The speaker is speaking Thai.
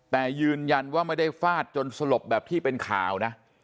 แต่ยืนยันว่าไม่ได้ฟาดจนสลบแบบที่เป็นข่าวนะ